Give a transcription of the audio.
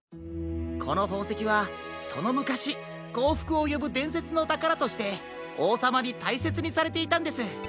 このほうせきはそのむかしこうふくをよぶでんせつのたからとしておうさまにたいせつにされていたんです。